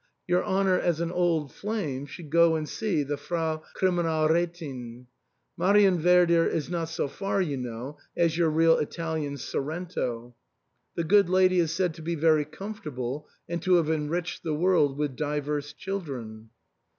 Your honour, as an old flame, should go and see the Frau Kriminalrdthin, Marienwerder is not so far, you know, as your real Italian Sorrento. The good lady is said to be very comfortable and to have enriched the world with divers children."